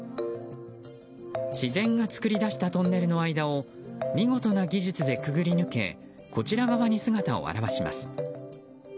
自然が作り出したトンネルの間を見事な技術でくぐり抜けこちら側に姿を現します。